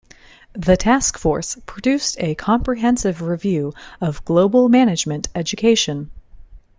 The task force produced a comprehensive review of global management education.